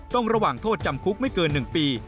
ระหว่างโทษจำคุกไม่เกิน๑ปี